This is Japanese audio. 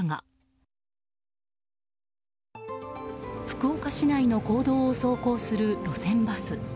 福岡市内の公道を走行する路線バス。